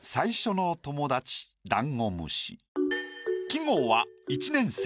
季語は「一年生」。